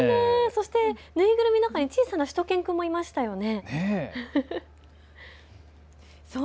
そして縫いぐるみの中にしゅと犬くんもいましたよね。